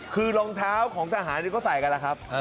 คือรองเท้าของทหารที่เขาใส่กันนะครับ